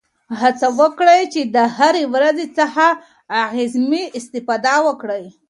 هڅه وکړئ چې د هرې ورځې څخه اعظمي استفاده وکړئ.